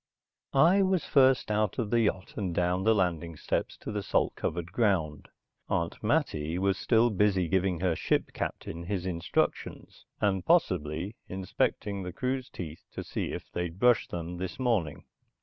I was first out of the yacht and down the landing steps to the salt covered ground. Aunt Mattie was still busy giving her ship captain his instructions, and possibly inspecting the crew's teeth to see if they'd brushed them this morning.